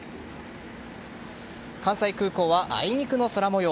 関西空港は、あいにくの空模様。